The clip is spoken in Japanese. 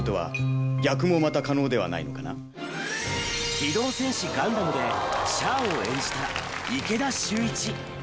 『機動戦士ガンダム』でシャアを演じた池田秀一。